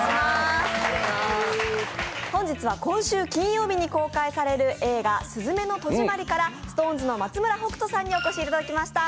本日は、今週金曜日に公開される映画「すずめの戸締まり」からＳｉｘＴＯＮＥＳの松村北斗さんにお越しいただきました。